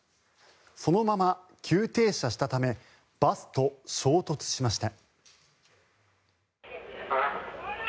そのまま急停車したためバスと衝突しました。